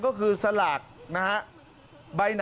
ปลูกมะพร้าน้ำหอมไว้๑๐ต้น